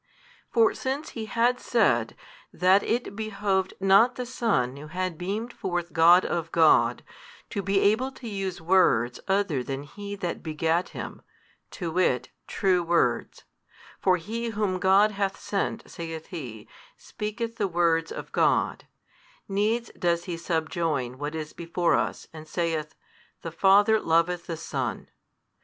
For since he had said, that it behoved not the Son Who had beamed forth God of God, to be able to use words other than He That begat Him, to wit, true words; for He Whom God hath sent, saith he, speaketh the words of God, needs does he subjoin what is before us, and saith, The Father loveth the Son.